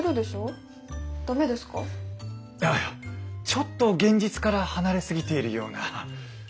ちょっと現実から離れ過ぎているような。